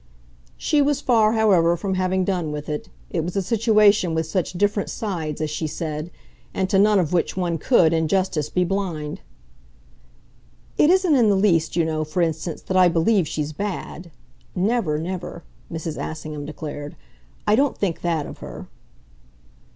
She was far, however, from having done with it; it was a situation with such different sides, as she said, and to none of which one could, in justice, be blind. "It isn't in the least, you know, for instance, that I believe she's bad. Never, never," Mrs. Assingham declared. "I don't think that of her."